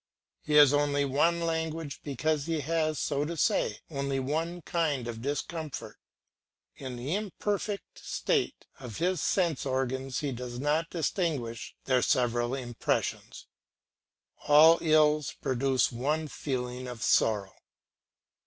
He has only one language because he has, so to say, only one kind of discomfort. In the imperfect state of his sense organs he does not distinguish their several impressions; all ills produce one feeling of sorrow.